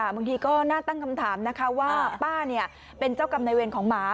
บางทีก็น่าตั้งคำถามนะคะว่าป้าเป็นเจ้ากรรมในเวรของหมา